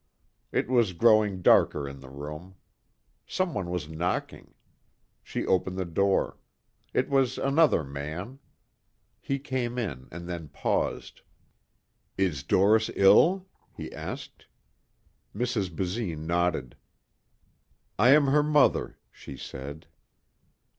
It was growing darker in the room. Someone was knocking. She opened the door. It was another man. He came in and then paused. "Is Doris ill?" he asked. Mrs. Basine nodded. "I am her mother," she said.